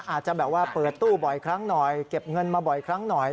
อาจจะแบบว่าเปิดตู้บ่อยครั้งหน่อยเก็บเงินมาบ่อยครั้งหน่อย